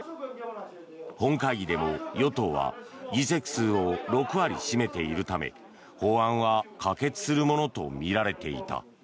本会議でも与党は議席数を６割占めているため法案は可決するものとみられていた。